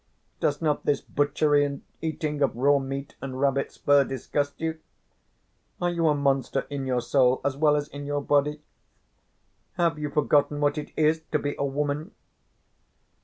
Does not this butchery and eating of raw meat and rabbit's fur disgust you? Are you a monster in your soul as well as in your body? Have you forgotten what it is to be a woman?"